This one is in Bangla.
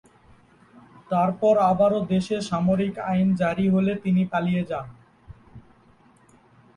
তারপর আবারো দেশে সামরিক আইন জারি হলে তিনি পালিয়ে যান।